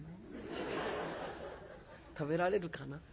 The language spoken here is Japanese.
食べられるかな？